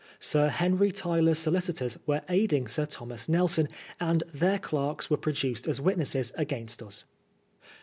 Sir Henry Tyler's solicitors were aiding Sir Thomas Nelson, and their clerks were produced as witnesses against us.